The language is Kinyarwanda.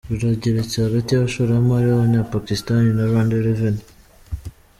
Rurageretse hagati y’abashoramari b’Abanyapakisitani na Rwanda Revenue